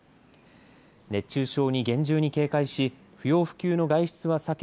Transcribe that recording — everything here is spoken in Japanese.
熱中症に厳重に警戒し不要不急の外出は避け